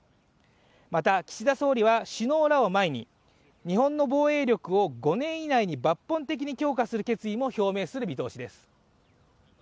また岸田総理は、首脳らを前に日本の防衛力を５年以内に抜本的に強化する決意も表明する見通しです。